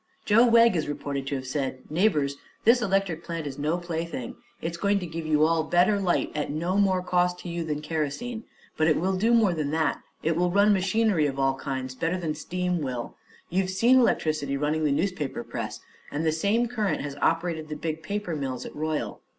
Joe Wegg is reported to have said: "Neighbors, this electric plant is no plaything. It is going to give you all better light, at no more cost to you than kerosene. But it will do more than that: it will run machinery of all kinds better than steam will. You've seen electricity running the newspaper press, and the same current has operated the big paper mills at Royal.